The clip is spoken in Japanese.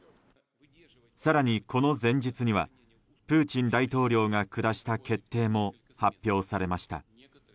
更に、この前日にはプーチン大統領が下した決定も発表されました。